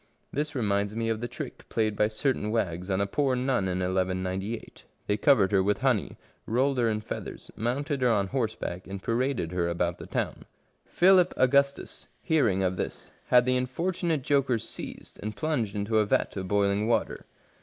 This reminds me of the trick played by certain wags on a poor nun in rigS. They covered her with honey, rolled her in feathers, mounted her on horseback, and paraded her about the town. Philip Augustus, hearing of this, had the unfortunate jokers seized and plunged into a vat of boiling water.